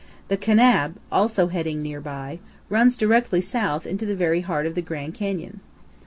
The Kanab, also heading near by, runs directly south into the very heart of the Grand Canyon.